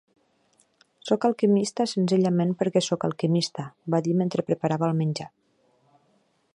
"Soc alquimista senzillament perquè soc alquimista", va dir mentre preparava el menjar.